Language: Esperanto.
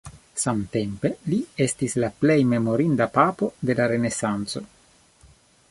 Samtempe li estis la plej memorinda papo de la renesanco.